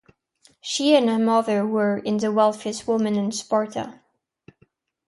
She and her mother were the wealthiest women in Sparta.